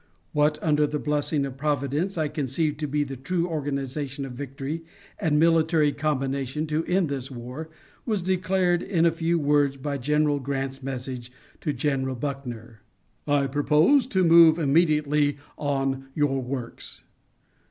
What, under the blessing of Providence, I conceive to be the true organization of victory and military combination to end this war, was declared in a few words by General Grant's message to General Buckner: "_I propose to move immediately on your works.